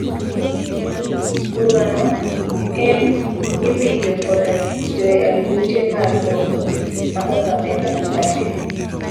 Burano en iwinjo kod jayal buche mar doho ma kakamega Daphne.